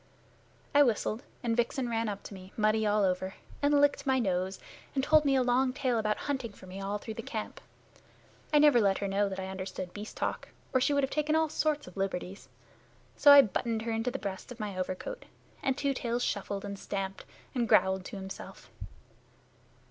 I whistled, and Vixen ran up to me, muddy all over, and licked my nose, and told me a long tale about hunting for me all through the camp. I never let her know that I understood beast talk, or she would have taken all sorts of liberties. So I buttoned her into the breast of my overcoat, and Two Tails shuffled and stamped and growled to himself.